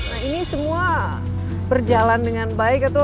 nah ini semua berjalan dengan baik